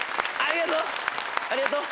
ありがとう！